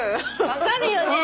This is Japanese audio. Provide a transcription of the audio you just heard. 分かるよね。